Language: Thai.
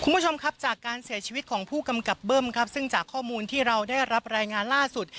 คุณผู้ชมครับจากการเสียชีวิตของผู้กำกับเบิ้มครับซึ่งจากข้อมูลที่เราได้รับรายงานล่าสุด